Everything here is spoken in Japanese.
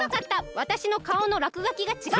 わたしのかおのらくがきがちがう！